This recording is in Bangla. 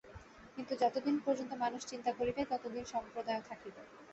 কিন্তু যতদিন পর্যন্ত মানুষ চিন্তা করিবে, ততদিন সম্প্রদায়ও থাকিবে।